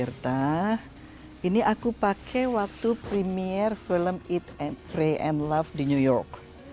galingnya iwan tirta ini aku pakai waktu premi film eat pray and love di new york